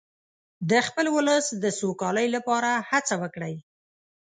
د خپل ولس د سوکالۍ لپاره هڅه وکړئ.